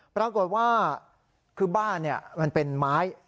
ปรากฏว่าคือบ้านมันเป็นไม้